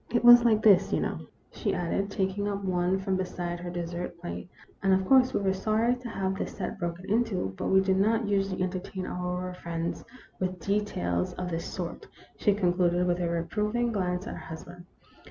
It was like this, you know," she added, taking up one from beside her dessert plate, " and, of course, we were sorry to have the set broken into ; but we do not usually entertain our friends with details of this sort," she concluded, with a reproving glance at her husband.